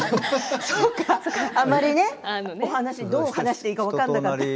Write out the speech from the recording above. あまりどうお話していいか分からなかった。